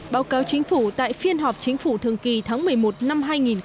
báo cáo chính phủ tại phiên họp chính phủ thường kỳ tháng một mươi một năm hai nghìn một mươi chín